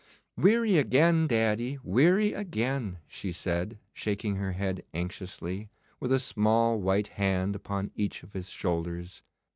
'Weary again, daddy, weary again,' she said, shaking her head anxiously, with a small white hand upon each of his shoulders.